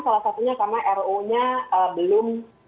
salah satunya karena ruu nya belum